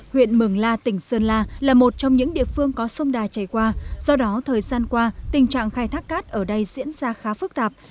huyện mường la tỉnh sơn la là một trong những địa phương có sông đà chảy qua do đó thời gian qua tình trạng khai thác cát ở đây diễn ra khá phức tạp